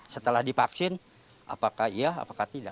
setelah divaksin apakah iya apakah tidak